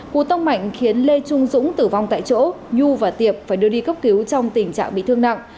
cú tông mạnh khiến lê trung dũng tử vong tại chỗ nhu và tiệp phải đưa đi cấp cứu trong tình trạng bị thương nặng